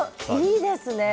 いいですね。